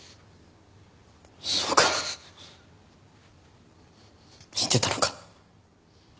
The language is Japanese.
そうか知ってたのか。